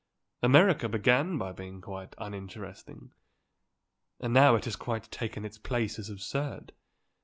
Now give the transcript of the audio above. America began by being uninteresting; and now it has quite taken its place as absurd.